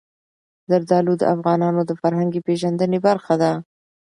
زردالو د افغانانو د فرهنګي پیژندنې برخه ده.